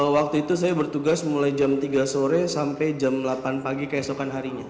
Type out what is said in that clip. waktu itu saya bertugas mulai jam tiga sore sampai jam delapan pagi keesokan harinya